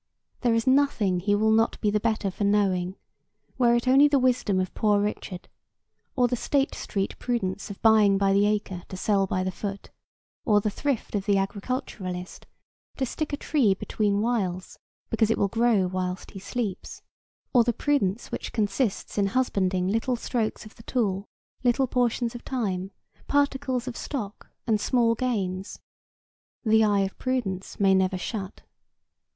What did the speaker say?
There is nothing he will not be the better for knowing, were it only the wisdom of Poor Richard, or the State Street prudence of buying by the acre to sell by the foot; or the thrift of the agriculturist, to stick a tree between whiles, because it will grow whilst he sleeps; or the prudence which consists in husbanding little strokes of the tool, little portions of time, particles of stock and small gains. The eye of prudence may never shut.